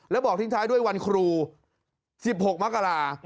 แล้วบอกทิ้งท้ายด้วยวันครู๑๖มกรา